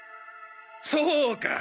そうか！！